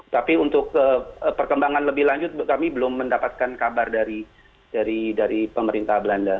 tapi untuk perkembangan lebih lanjut kami belum mendapatkan kabar dari pemerintah belanda